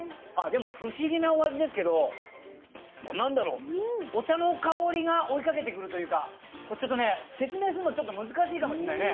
でも、不思議なお味ですけど、お茶の香りが追いかけてくるというか、ちょっとね、説明するの難しいかもしれないね。